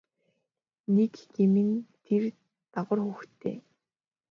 Нэг гэм нь тэр дагавар хүүхэдтэй.